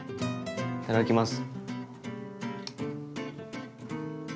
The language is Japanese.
いただきます。